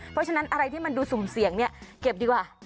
เพราะฉะนั้นอะไรที่มันดูสุ่มเสี่ยงเนี่ยเก็บดีกว่า